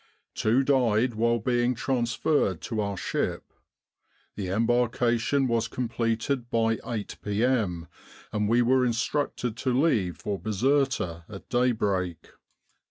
Two died while being transferred to our ship. The embarkation was completed by 8 p.m., and we were instructed to leave for Bizerta at daybreak.